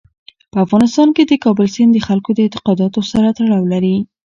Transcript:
په افغانستان کې د کابل سیند د خلکو د اعتقاداتو سره تړاو لري.